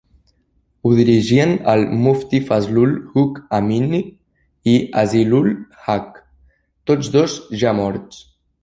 Ho dirigien el Mufti Fazlul Huq Amini i Azizul Haq, tots dos ja morts.